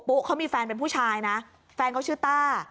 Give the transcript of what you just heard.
เขามีแฟนเป็นผู้ชายนะแฟนเขาชื่อต้า